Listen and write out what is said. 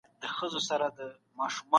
له کورني مشورې پرته.